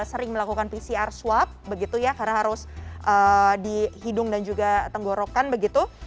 sering melakukan pcr swab begitu ya karena harus dihidung dan juga tenggorokkan begitu